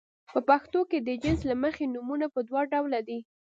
په پښتو کې د جنس له مخې نومونه په دوه ډوله دي.